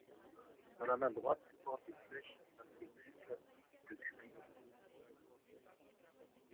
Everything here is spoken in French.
Dans la main droite il porte des flèches, attributs classiques de Cupidon.